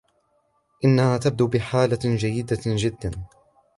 إنها تبدو بحالة جيدة جداً.